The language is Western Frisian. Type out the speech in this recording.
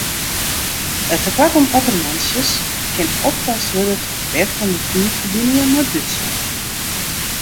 It tekoart oan ottermantsjes kin oplost wurde troch bettere natuerferbiningen mei Dútslân.